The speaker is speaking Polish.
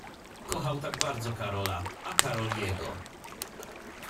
Kochał tak bardzo Karola, a Karol jego.